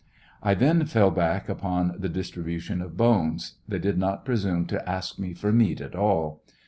I then fell back upon the distribution of bones ; they did not presume to ask me for meat at all.